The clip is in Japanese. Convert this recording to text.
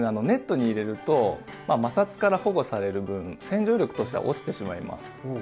ネットに入れると摩擦から保護される分洗浄力としては落ちてしまいます。